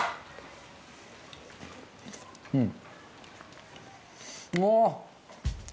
うん。